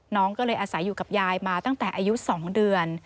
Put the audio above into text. น้องก็เลยอาศัยอยู่กับยายมาตั้งแต่อายุ๒เดือน